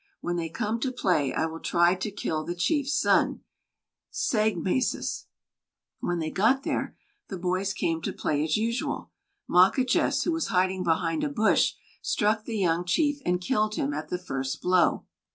When they come to play, I will try to kill the chief's son [Sāgmasis]." When they got there, the boys came to play as usual. Mawquejess, who was hiding behind a bush, struck the young chief and killed him at the first blow.